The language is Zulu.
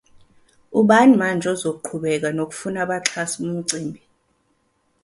Ubani manje ozoqhubeka nokufuna abaxhasi bomcimbi?